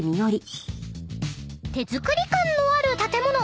［手作り感のある建物］